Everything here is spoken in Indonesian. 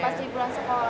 pas di bulan sekolah